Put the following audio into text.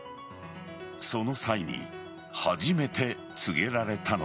その際に初めて告げられたのが。